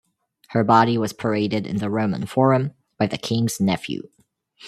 Her body was paraded in the Roman Forum by the king's nephew.